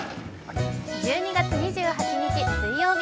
１２月２８日水曜日。